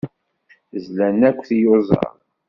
Zlan akk tiyuẓaḍ.